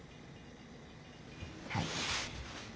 はい。